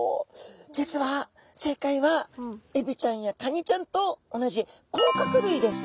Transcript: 実は正解はエビちゃんやカニちゃんと同じ甲殻類です。